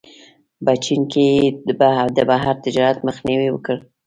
په چین کې یې د بهر تجارت مخنیوی وکړ.